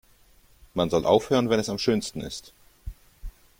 Man soll aufhören, wenn es am schönsten ist.